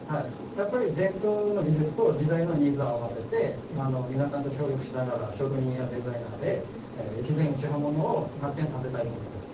やっぱり伝統の技術と時代のニーズを合わせて、皆さんと協力しながら、職人やデザイナーで越前打刃物を発展させたいと思います。